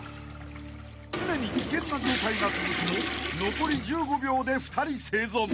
［常に危険な状態が続くも残り１５秒で２人生存］